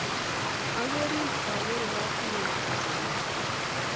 Akerin akere lapkeyet ap sobennyu.